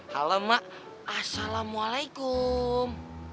halo mak assalamualaikum